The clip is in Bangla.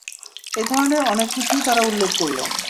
এ ধরনের অনেক কিছুই তারা উল্লেখ করলেন।